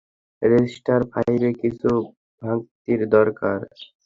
Register ফাইভে কিছু ভাংতির দরকার।